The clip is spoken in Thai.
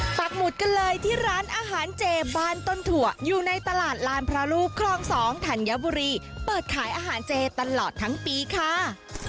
ปากหมุดกันเลยที่ร้านอาหารเจบ้านต้นถั่วอยู่ในตลาดลานพระลูกคลอง๒ธัญบุรีเปิดขายอาหารเจตลอดทั้งปีค่ะ